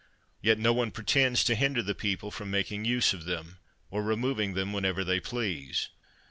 yet no one pretends to hinder the people from making use of them, or removing them, whenever they please.